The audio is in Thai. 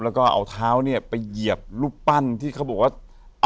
แล้วก็เอาเท้าเนี่ยไปเหยียบรูปปั้นที่เขาบอกว่า